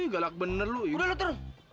galak bener lu udah lu terus